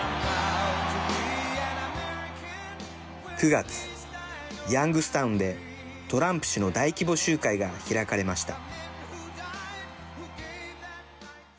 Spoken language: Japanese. ９月ヤングスタウンでトランプ氏の大規模集会が開かれました。